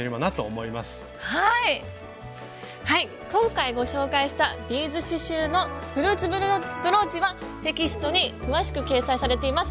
今回ご紹介したビーズ刺しゅうのフルーツブローチはテキストに詳しく掲載されています。